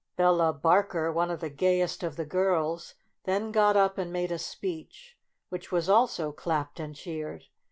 Bella Bar ker, one of the gayest of the girls, then got up and made a speech, which was also clapped and cheered.